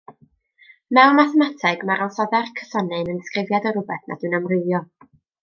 Mewn mathemateg, mae'r ansoddair cysonyn yn ddisgrifiad o rywbeth nad yw'n amrywio.